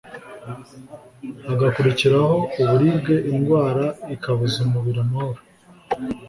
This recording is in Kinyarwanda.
hagakurikiraho uburibwe indwara ikabuza umubiri amahoro